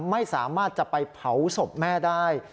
ไม่สามารถจะไปเผาศพแม่ได้